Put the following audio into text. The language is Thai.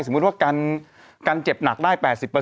สมมุติว่าการเจ็บหนักได้๘๐